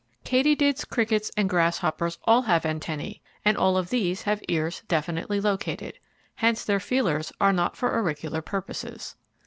Katydids, crickets, and grasshoppers all have antennae, and all of these have ears definitely located; hence their feelers are not for auricular purposes.